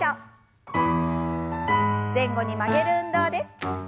前後に曲げる運動です。